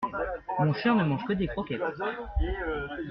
Mon chien ne mange que des croquettes.